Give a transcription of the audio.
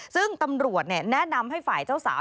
ซึ่งตำรวจแนะนำให้ฝ่ายเจ้าสาว